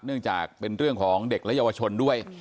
เนื่องจากเป็นเรื่องของเด็กและเยาวชนด้วย